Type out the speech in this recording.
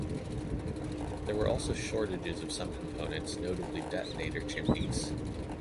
There were also shortages of some components, notably detonator chimneys.